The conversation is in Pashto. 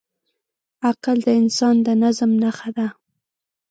عقل د انسان د نظم نښه ده.